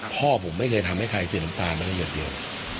พ่อผมไม่เคยทำให้ใครเสียตามตามาในหยุดเดียว